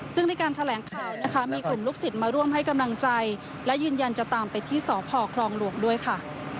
ซึ่งในการแถลงข่าวนะคะมีกลุ่มลูกศิษย์มาร่วมให้กำลังใจและยืนยันจะตามไปที่สพครองหลวงด้วยค่ะ